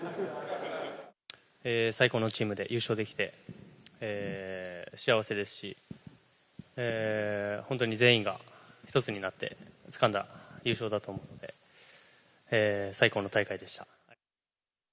最高のチームで優勝できて幸せですし、本当に全員が一つになってつかんだ優勝だと思って、最高の大会でした。